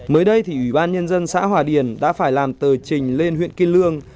mới đây thì ủy ban nhân dân xã hòa điền đã phải làm tờ trình lên huyện kiên lương